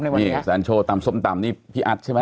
นี่แสนโชว์ตำส้มตำนี่พี่อัดใช่ไหม